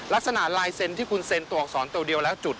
ลักษณะลายเซ็นต์ที่คุณเซ็นต์๒ตัวเดียวแล้วจุด